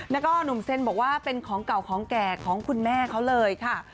แล้วก็หนุ่มเซ็นบอกว่าเป็นของเก่าของแก่ของคุณแม่เขาเลยค่ะ